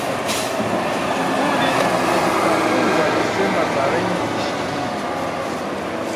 Sukuli dhitafungwa Disemba tarehe ishirini